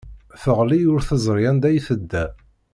Teɣli ur teẓri anda i tedda.